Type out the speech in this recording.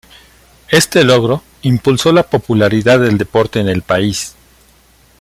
Este logro impulsó la popularidad del deporte en el país.